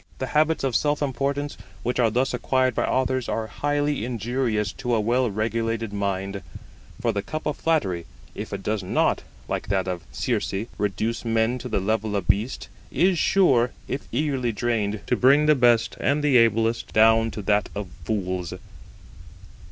The habits of self importance which are thus acquired by authors are highly injurious to a well regulated mind; for the cup of flattery, if it does not, like that of Circe, reduce men to the level of beasts, is sure, if eagerly drained, to bring the best and the ablest down to that of fools.